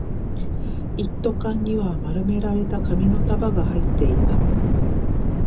一斗缶には丸められた紙の束が入っていた